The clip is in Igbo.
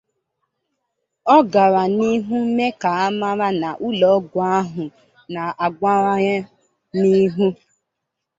Ọ gara n'ihu mee ka a mara na ụlọọgwụ ahụ na-agawanye n'ihu